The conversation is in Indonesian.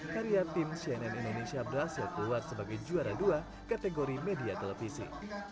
karya tim cnn indonesia berhasil keluar sebagai juara dua kategori media televisi